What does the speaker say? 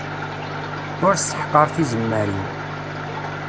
Ur sseḥqar tizemmar-iw.